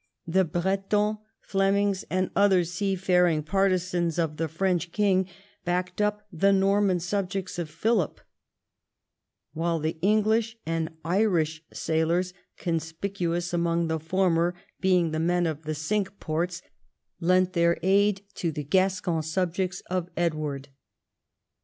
The Bretons, Flemings, and other seafaring partisans of the French king backed up the ""Torman subjects of Philip, Avhile the English and Irish sailors, conspicuous among the former being the men of the Cinque Ports, lent their aid to the Gascon subjects of 180 EDWARD I chap. Edward.